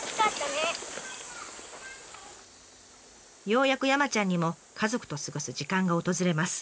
ようやく山ちゃんにも家族と過ごす時間が訪れます。